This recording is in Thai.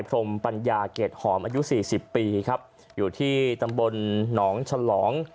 พรมปัญญาเกรดหอมอายุสี่สิบปีครับอยู่ที่ตำบลหนองฉลอง